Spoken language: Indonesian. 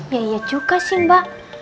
iya juga sih mbak